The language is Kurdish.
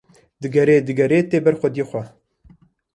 digere digere tê ber xwediyê xwe